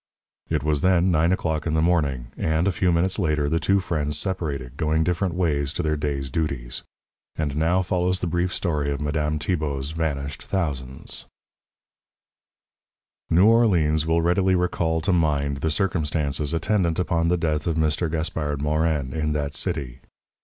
It was then nine o'clock in the morning and, a few minutes later, the two friends separated, going different ways to their day's duties. And now follows the brief story of Madame Tibault's vanished thousands: New Orleans will readily recall to mind the circumstances attendant upon the death of Mr. Gaspard Morin, in that city.